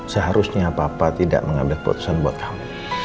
seharusnya bapak tidak mengambil keputusan buat kamu